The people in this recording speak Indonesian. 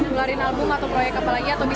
keluarin album atau proyek apa lagi